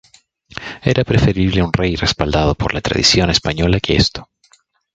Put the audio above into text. Era preferible un rey respaldado por la tradición española que esto.